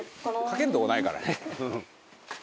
「かけるとこないからね」